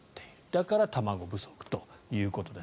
だから卵不足ということです。